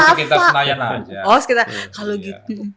aktivitas senayan aja oh sekitar kalau gitu